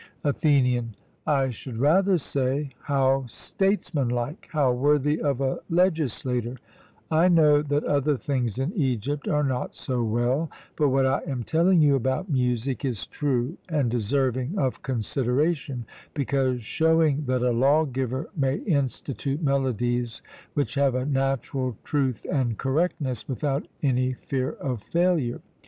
ATHENIAN: I should rather say, How statesmanlike, how worthy of a legislator! I know that other things in Egypt are not so well. But what I am telling you about music is true and deserving of consideration, because showing that a lawgiver may institute melodies which have a natural truth and correctness without any fear of failure.